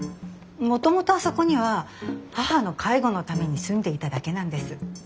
もともとあそこには母の介護のために住んでいただけなんです。